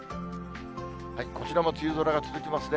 こちらも梅雨空が続きますね。